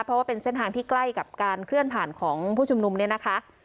เพราะว่าเป็นเส้นทางที่ใกล้กับการเคลื่อนผ่านของผู้ชุมนุมเนี่ยนะคะ